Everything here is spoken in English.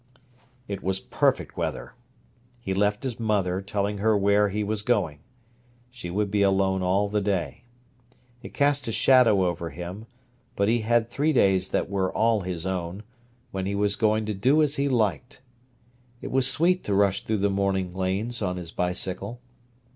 It was perfect weather. He left his mother, telling her where he was going. She would be alone all the day. It cast a shadow over him; but he had three days that were all his own, when he was going to do as he liked. It was sweet to rush through the morning lanes on his bicycle.